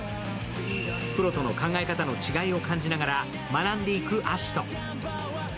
プロとの考え方の違いを感じながら学んでいくアシト。